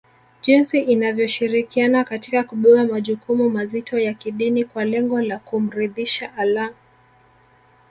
jinsi inavyoshirikiana katika kubeba majukumu mazito ya kidini kwa lengo la kumridhisha Allah